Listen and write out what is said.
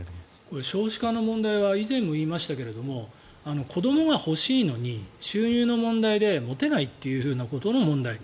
少子化の問題は以前も言いましたが子どもが欲しいのに収入の問題で持てないということの問題。